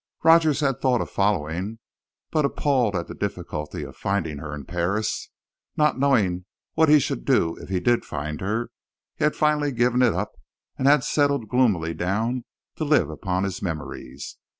Rogers had thought of following; but, appalled at the difficulty of finding her in Paris, not knowing what he should do if he did find her, he had finally given it up, and had settled gloomily down to live upon his memories.